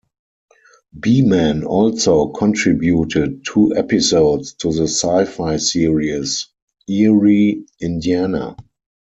Beeman also contributed two episodes to the sci-fi series "Eerie, Indiana".